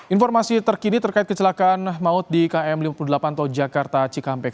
informasi terkini terkait kecelakaan maut di km lima puluh delapan tol jakarta cikampek